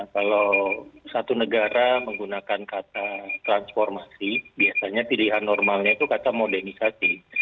kalau satu negara menggunakan kata transformasi biasanya pilihan normalnya itu kata modernisasi